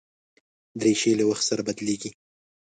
دریشي له وخت سره بدلېږي.